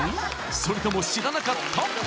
それとも知らなかった？